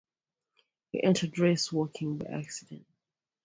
He entered race-walking by accident.